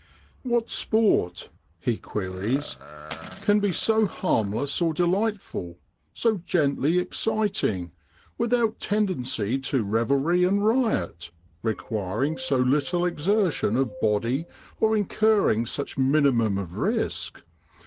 ' What sport,' he queries, ' can be so harmless or delightful, so gently exciting, without tendency to revelry and riot, requiring so little exertion of body or incurring such a minimum of risk